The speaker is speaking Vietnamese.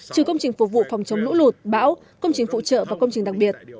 trừ công trình phục vụ phòng chống lũ lụt bão công trình phụ trợ và công trình đặc biệt